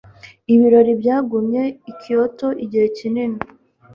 Ibirori byagumye i Kyoto igihe gito.